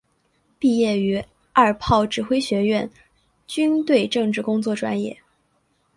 毕业于二炮指挥学院军队政治工作专业。